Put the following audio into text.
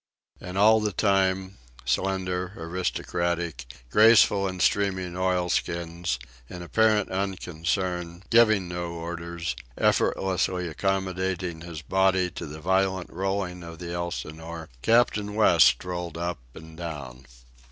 And all the time, slender, aristocratic, graceful in streaming oilskins, in apparent unconcern, giving no orders, effortlessly accommodating his body to the violent rolling of the Elsinore, Captain West strolled up and down.